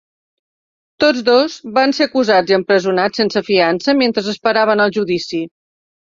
Tots dos van ser acusats i empresonats sense fiança mentre esperaven el judici.